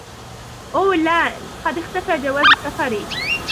أوه، لا! قد اختفى جواز سفري.